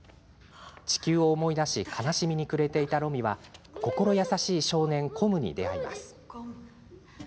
地球を思い出し悲しみに暮れていたロミは心優しい少年コムに出会います。